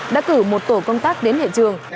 đã cử một tổ công tác đến hệ trường